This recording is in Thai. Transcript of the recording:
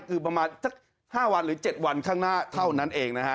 คือประมาณสัก๕วันหรือ๗วันข้างหน้าเท่านั้นเองนะฮะ